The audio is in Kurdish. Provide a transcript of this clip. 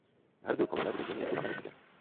Her du Komele dibêjin yekbûna me nêzîk e.